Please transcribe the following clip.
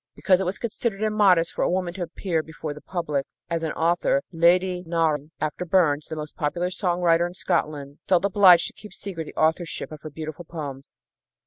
Because it was considered immodest for a woman to appear before the public as an author, Lady Nairne, after Burns, the most popular song writer in Scotland, felt obliged to keep secret the authorship of her beautiful poems.